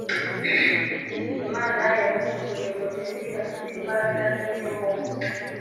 imana yamwikuriye mu misiri afite imbaraga nk’iz’imbogo.